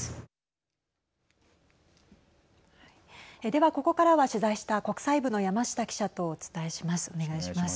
では、ここからは取材した国際部の山下記者とお伝えします。